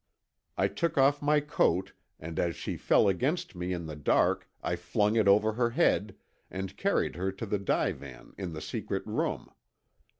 "I took off my coat and as she fell against me in the dark I flung it over her head, and carried her to the divan in the secret room.